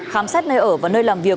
khám xét nơi ở và nơi làm việc